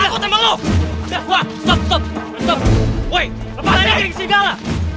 lepas aja geng si gala